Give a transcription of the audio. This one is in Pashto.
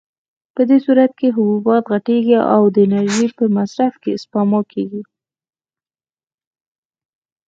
په دې صورت کې حبوبات غټېږي او د انرژۍ په مصرف کې سپما کېږي.